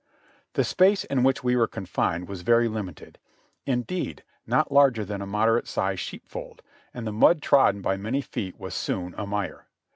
The space in which we were confined was very limited, indeed not larger that a moderate sized sheepfold, and the mud trodden by many feet was soon a mire.